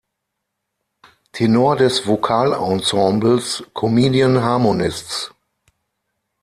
Tenor des Vokalensembles Comedian Harmonists.